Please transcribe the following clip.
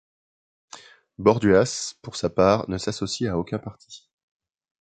Borduas, pour sa part, ne s'associe à aucun parti.